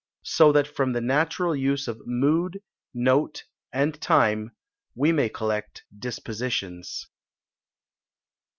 So that from the natural use of MOOD, NOTE, and TIME, we may collect DISPOSITIONS."